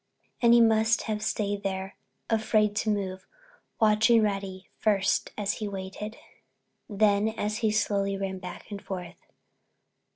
And he must have stayed there—afraid to move—watching Reddy, first as he waited, then as he slowly ran back and forth.